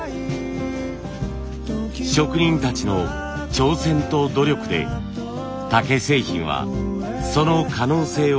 職人たちの挑戦と努力で竹製品はその可能性を広げていました。